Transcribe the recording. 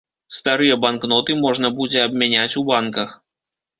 Старыя банкноты можна будзе абмяняць у банках.